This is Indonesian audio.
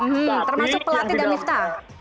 hmm termasuk pelatih dan miftah